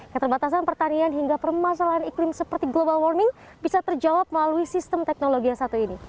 keterbatasan pertanian hingga permasalahan iklim seperti global warming bisa terjawab melalui sistem teknologi yang satu ini